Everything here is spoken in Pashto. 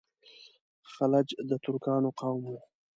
خلج د ترکانو قوم وو.